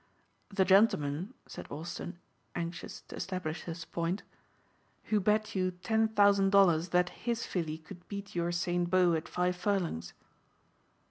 "The gentleman," said Austin anxious to establish his point, "who bet you ten thousand dollars that his filly could beat your Saint Beau at five furlongs."